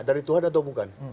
dari tuhan atau bukan